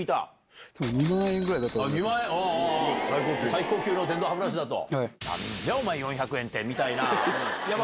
最高級の電動歯ブラシだと。